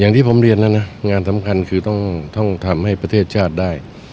อย่างที่ผมเรียนแล้วนะงานสำคัญคือต้องทำให้ประเทศชาติได้